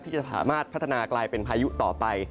จะสามารถพัฒนากลายเป็นพายุต่อไป